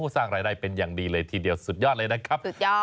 สร้างรายได้เป็นอย่างดีเลยทีเดียวสุดยอดเลยนะครับสุดยอด